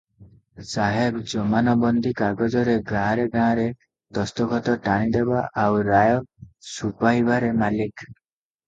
ସାହେବ ଜମାନବନ୍ଦୀ କାଗଜରେ ଗାଁରେ ଗାଁରେ ଦସ୍ତଖତ ଟାଣିଦେବା ଆଉ ରାୟ ଶୁବାଇବାରେ ମାଲିକ ।